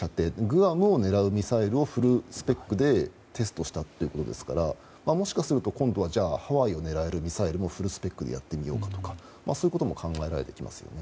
グアムを狙うミサイルをフルスペックでテストしたということですからもしかすると今度はハワイを狙えるミサイルもフルスペックでやってみようかということも考えられてきます。